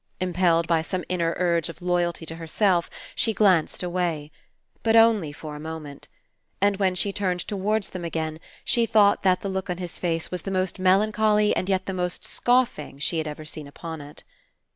Impelled by some inner urge of loyalty to herself, she glanced away. But only for a moment. And when she turned towards them again, she thought that the look on his face was the most melancholy and yet the most scoffing that she had ever seen upon it.